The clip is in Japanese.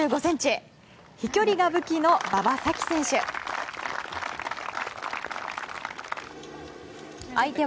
飛距離が武器の馬場咲希選手。